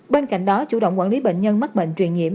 bên cạnh đó chủ động quản lý bệnh nhân mắc bệnh truyền nhiễm